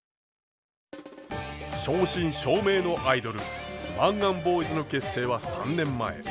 正真正銘のアイドルマンガンボーイズの結成は３年前。